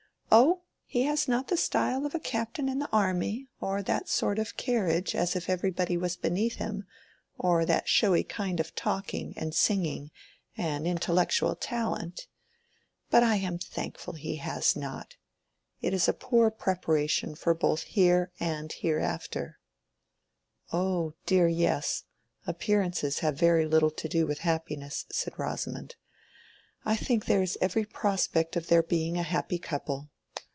"Oh, he has not the style of a captain in the army, or that sort of carriage as if everybody was beneath him, or that showy kind of talking, and singing, and intellectual talent. But I am thankful he has not. It is a poor preparation both for here and Hereafter." "Oh dear, yes; appearances have very little to do with happiness," said Rosamond. "I think there is every prospect of their being a happy couple.